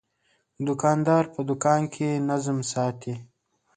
دوکاندار په دوکان کې نظم ساتي.